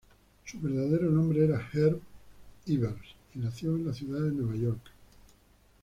Su verdadero nombre era Herb Evers, y nació en la ciudad de Nueva York.